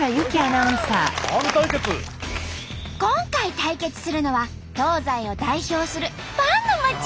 今回対決するのは東西を代表するパンの街。